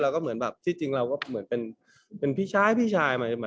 เราก็เหมือนแบบที่จริงเราก็เหมือนเป็นพี่ชายมาโตกับเขาเยอะครับเป็น๑๐ปี